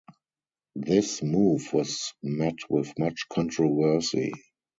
This move was met with much controversy.